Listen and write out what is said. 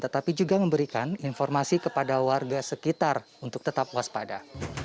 tetapi juga memberikan informasi kepada warga sekitar untuk tetap waspada